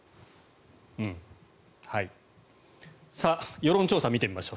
世論調査を見てみましょう。